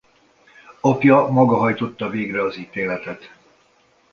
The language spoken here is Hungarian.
Apja maga hajtotta végre az ítéletet.